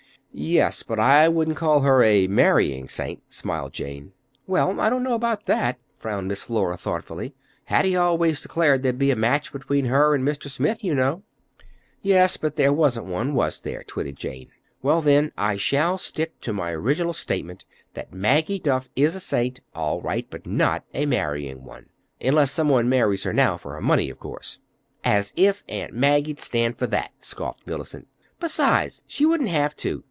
"Yes, but I shouldn't call her a marrying saint," smiled Jane. "Well, I don't know about that," frowned Miss Flora thoughtfully. "Hattie always declared there'd be a match between her and Mr. Smith, you know." "Yes. But there wasn't one, was there?" twitted Jane. "Well, then, I shall stick to my original statement that Maggie Duff is a saint, all right, but not a marrying one—unless some one marries her now for her money, of course." "As if Aunt Maggie'd stand for that!" scoffed Mellicent. "Besides, she wouldn't have to!